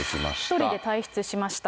１人で退室しました。